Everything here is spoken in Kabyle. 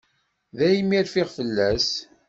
Daymi rfiɣ fell-as.